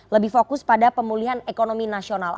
lebih fokus pada pemulihan ekonomi nasional